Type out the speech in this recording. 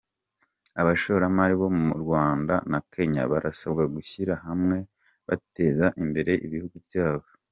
Abashoramari bo mu Rwanda na Kenya, barasabwa gushyira hamwe bagateza imbere ibihugu byabo